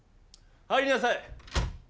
入りなさい。